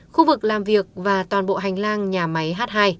khu vực làm việc và toàn bộ hành lang nhà máy h hai